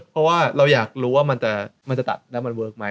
เพราะว่าเราอยากรู้ว่ามันจะตัดแล้วมันเวิร์คไหม